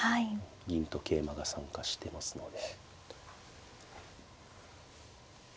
銀と桂馬が参加してますので。